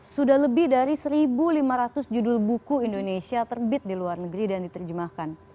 sudah lebih dari satu lima ratus judul buku indonesia terbit di luar negeri dan diterjemahkan